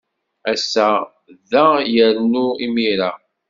Ass-a, da yernu imir-a.